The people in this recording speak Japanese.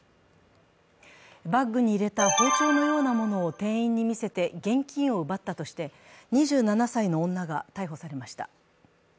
バッグに入れた包丁のようなものを店員に見せて現金を奪ったとして、２７歳の女が逮捕されました。